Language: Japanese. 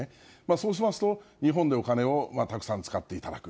そうしますと、日本でお金をたくさん使っていただく。